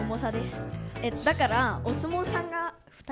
だからお相撲さんが２人？